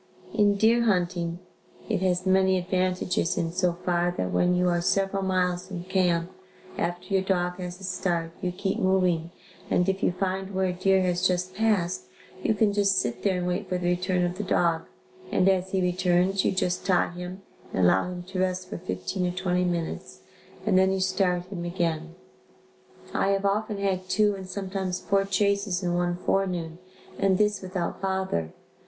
In deer hunting, it has many advantages in so far, that when you are several miles from camp, after your dog has a start you keep moving and if you find where a deer has just passed, you can just sit there and wait for the return of the dog and as soon as he returns, you just tie him and allow him to rest for fifteen or twenty minutes and then you start him again. I have often had two and sometimes four chases in one forenoon and this without bother.